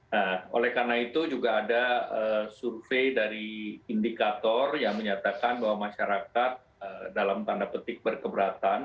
nah oleh karena itu juga ada survei dari indikator yang menyatakan bahwa masyarakat dalam tanda petik berkeberatan